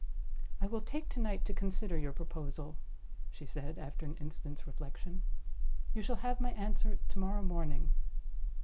"I will take to night to consider your proposal," she said, after an instant's reflection. "You shall have my answer to morrow morning."